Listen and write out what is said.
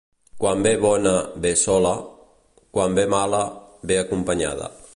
Quan ve bona, ve sola; quan ve mala, ve acompanyada.